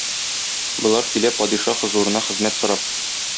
Болар килә падиша хозурына хезмәт сорап.